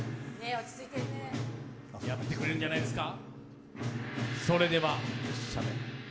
やってくれるんじゃないですか。